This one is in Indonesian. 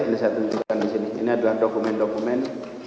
ini saya tunjukkan di sini ini adalah dokumen dokumen